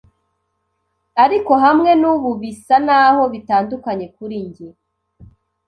Ariko hamwe n'ubu bisa naho bitandukanye kuri njye